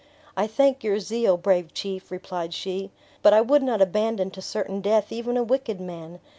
"I thank your zeal, brave chief," replied she; "but I would not abandon to certain death even a wicked man.